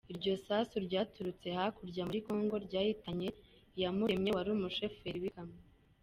Iryo sasu ryaturutse hakurya muri Congo ryahitanye Iyamuremye wari umushoferi w’ikamyo.